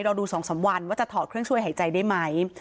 ดู๒๓วันว่าจะถอดเครื่องช่วยหายใจได้ไหม